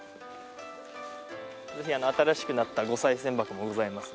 こちらの新しくなったご賽銭箱もございます。